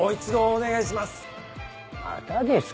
お願いします！